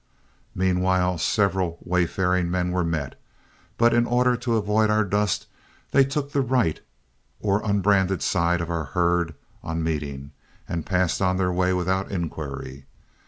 Meanwhile several wayfaring men were met, but in order to avoid our dust, they took the right or unbranded side of our herd on meeting, and passed on their way without inquiry.